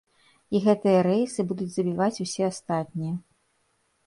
І гэтыя рэйсы будуць забіваць усе астатнія.